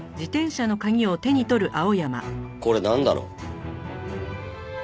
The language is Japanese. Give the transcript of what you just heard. これなんだろ？